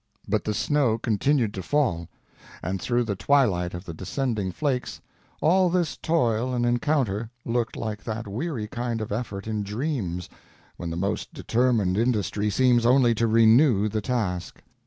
But the snow continued to fall, and through the twilight of the descending flakes all this toil and encounter looked like that weary kind of effort in dreams, when the most determined industry seems only to renew the task.